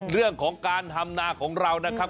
เรื่องของการทำนาของเรานะครับ